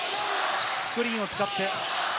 スクリーンを使って。